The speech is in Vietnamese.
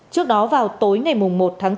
trước đó vào tối ngày một tháng bốn